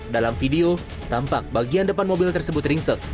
dalam video tampak bagian depan mobil tersebut ringset